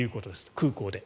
空港で。